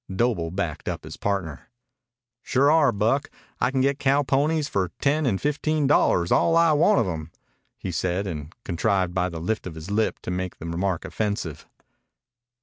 Doble backed up his partner. "Sure are, Buck. I can get cowponies for ten and fifteen dollars all I want of 'em," he said, and contrived by the lift of his lip to make the remark offensive.